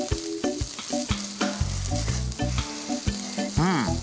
うん！